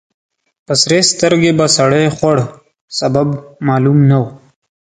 په سرې سترګې به سړی خوړ. سبب معلوم نه و.